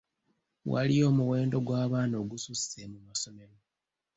Waliyo omuwendo gw'abaana ogususse mu masomero.